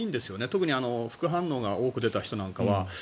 特に副反応が多く出た人なんかは。